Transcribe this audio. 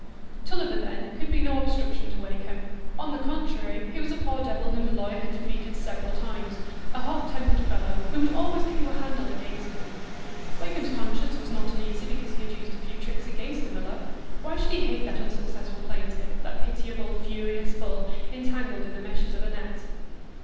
Tulliver, then, could be no obstruction to Wakem; on the contrary, he was a poor devil whom the lawyer had defeated several times; a hot tempered fellow, who would always give you a handle against him. Wakem's conscience was not uneasy because he had used a few tricks against the miller; why should he hate that unsuccessful plaintiff, that pitiable, furious bull entangled in the meshes of a net?